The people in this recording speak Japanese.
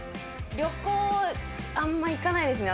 旅行あんま行かないですね